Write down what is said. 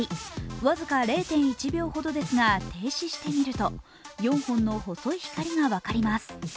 僅か０．１秒ほどですが停止して見ると４本の細い光が分かります。